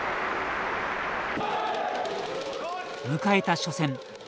迎えた初戦。